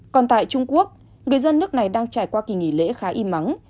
còn tại trung quốc người dân nước này đang trải qua kỳ nghỉ lễ khá im ắng